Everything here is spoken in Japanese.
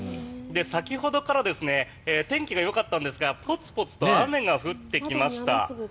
先ほどから天気がよかったんですがポツポツと雨が降ってきました。